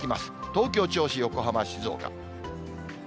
東京、銚子、横浜、静岡。